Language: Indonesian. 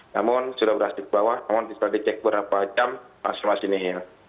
namun sudah berhasil ke bawah namun sudah dicek berapa jam masih masih nihir